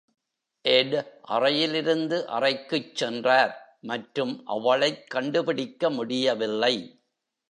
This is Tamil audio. Ed அறையிலிருந்து அறைக்குச் சென்றார், மற்றும் அவளைக் கண்டுபிடிக்க முடியவில்லை.